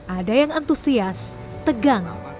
ada yang antusias tegang